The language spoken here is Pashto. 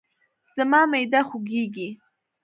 زما معده خوږیږي